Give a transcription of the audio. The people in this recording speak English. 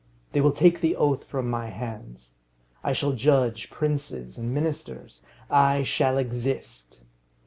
They will take the oath from my hands. I shall judge princes and ministers. I shall exist.